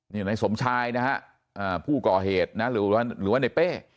นี่ในสมชายนะฮะผู้ก่อเหตุนะหรือว่าในเป้